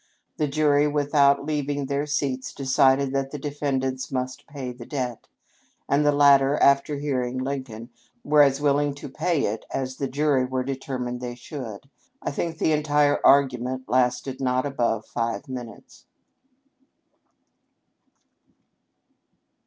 The jury, without leaving their seats, decided that the defendants must pay the debt ; and the latter, after hearing Lincoln, were as willing to pay it as the jury were determined they should. I think the entire argument lasted not above five minutes."